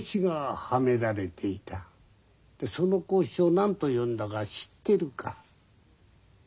その格子を何と呼んだか知ってるか？